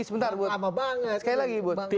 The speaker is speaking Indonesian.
sebentar sekali lagi